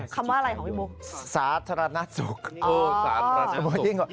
คำว่าอะไรของพี่ปุ๊ก